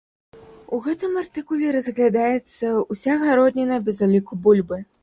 У гэтым артыкуле разглядаецца ўся гародніна без уліку бульбы.